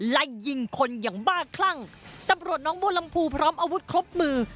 ไล่ยิงคนอย่างบ้าคลั่งตำรวจน้องบัวลำพูพร้อมอาวุธครบมือ